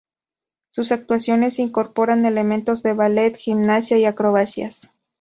Sus actuaciones incorporan elementos de ballet, gimnasia y acrobacias.